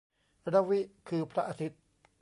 รวิ คือพระอาทิตย์